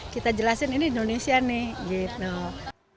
kita jelasin ini indonesia nih gitu